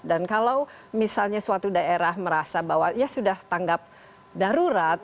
dan kalau misalnya suatu daerah merasa bahwa ya sudah tanggap darurat